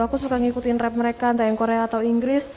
aku suka ngikutin rap mereka entah yang korea atau inggris